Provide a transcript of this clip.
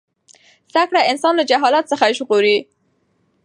زده کړه انسان له جهالت څخه ژغوري.